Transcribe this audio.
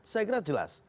saya kira jelas